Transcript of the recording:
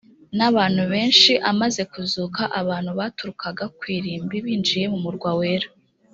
n abantu benshi amaze kuzuka abantu baturukaga ku irimbi binjiye mu murwa wera